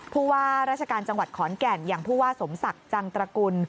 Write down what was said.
ผู้ว่าราชการจังหวัดขอนแก่นอย่างผู้ว่าสมศักดิ์จังตระกุล